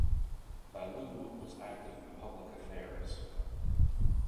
Ballou was active in public affairs.